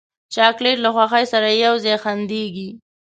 چاکلېټ له خوښۍ سره یو ځای خندېږي.